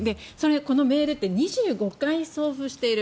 このメールって２５回送付している。